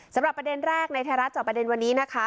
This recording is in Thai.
สำหรับประเด็นแรกในไทยรัฐจอบประเด็นวันนี้นะคะ